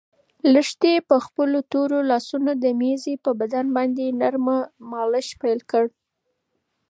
لښتې په خپلو تورو لاسو د مېږې په بدن باندې نرمه مالش پیل کړ.